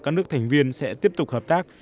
các nước thành viên sẽ tiếp tục hợp tác